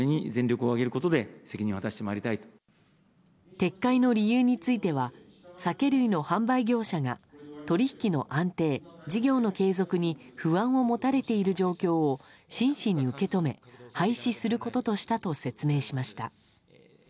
撤回の理由については酒類の販売業者が取引の安定・事業の継続に不安を持たれている状況を真摯に受け止め、廃止することとしたと説明しました。